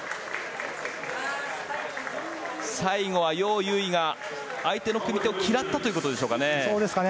最後はヨウ・ユウイが相手の組み手を嫌ったということですかね。